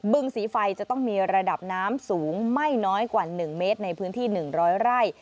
บึงสีไฟจะต้องมีระดับน้ำสูงไม่น้อยกว่าหนึ่งเมตรในพื้นที่หนึ่งร้อยไร่